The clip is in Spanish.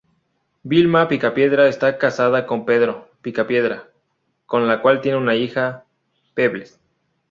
Vilma Picapiedra está casada con Pedro Picapiedra, con la cual tiene una hija: Pebbles.